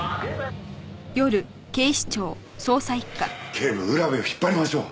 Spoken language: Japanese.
警部浦部を引っ張りましょう！